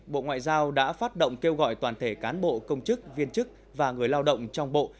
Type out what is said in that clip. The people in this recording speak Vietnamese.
bộ ngoại giao đã phát động kêu gọi toàn thể cán bộ công chức viên chức và người lao động trong bộ